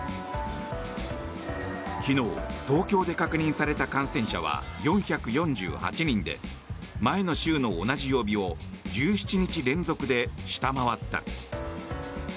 昨日、東京で確認された感染者は４４８人で前の週の同じ曜日を１７日連続で下回った。